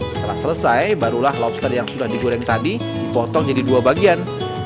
setelah selesai barulah lobster yang sudah digoreng tadi dipotong jadi dua bagian